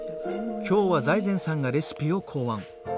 今日は財前さんがレシピを考案。